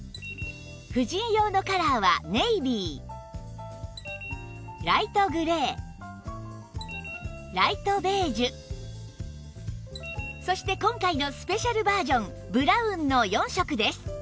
婦人用のカラーはネイビーライトグレーライトベージュそして今回のスペシャルバージョンブラウンの４色です